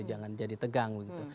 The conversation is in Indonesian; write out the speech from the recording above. jangan jadi tegang begitu